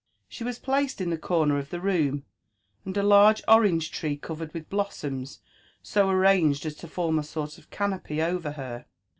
She was placed in the corner of the room, and a large orange tree, covered with blossoms,. so arranged as to form a sort of canopy over her.